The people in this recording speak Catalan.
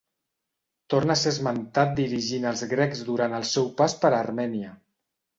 Torna a ser esmentat dirigint als grecs durant el seu pas per Armènia.